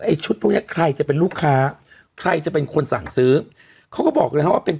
ชุดพวกเนี้ยใครจะเป็นลูกค้าใครจะเป็นคนสั่งซื้อเขาก็บอกเลยครับว่าเป็น